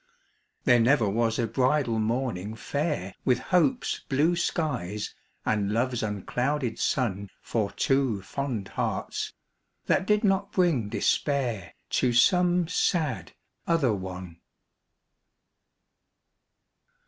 There never was a bridal morning fair With hope's blue skies and love's unclouded sun For two fond hearts, that did not bring despair To some sad other one.